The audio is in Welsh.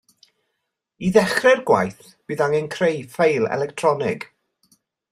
I ddechrau'r gwaith bydd angen creu ffeil electronig